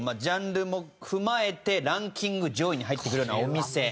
ジャンルも踏まえてランキング上位に入ってくるようなお店。